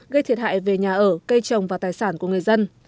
gây thiệt hại về nhà ở cây trồng và tài sản của người dân